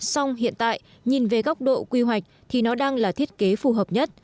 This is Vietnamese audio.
xong hiện tại nhìn về góc độ quy hoạch thì nó đang là thiết kế phù hợp nhất